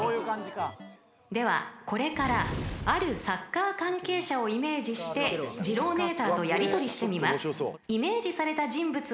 ［ではこれからあるサッカー関係者をイメージしてジローネーターとやりとりしてみます］